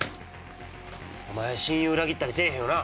お前親友裏切ったりせえへんよな？